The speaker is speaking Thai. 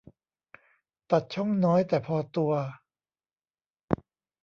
ตัดช่องน้อยแต่พอตัว